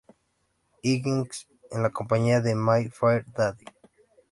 Higgins en la compañía de "My Fair Lady".